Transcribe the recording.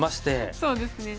そうですね。